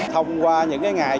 thông qua những ngày